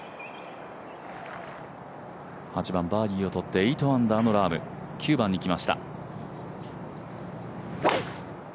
８番バーディーを取って８アンダーのラーム、９番に来ました。